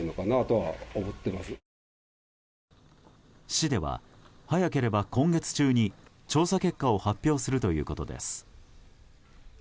市では、早ければ今月中に調査結果を発表するということです。